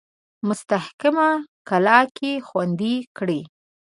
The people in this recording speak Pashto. مستحکمه کلا کې خوندې کړي.